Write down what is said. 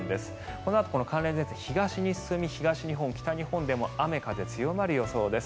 このあと寒冷前線、東に進み東日本、北日本でも雨風強まる予想です。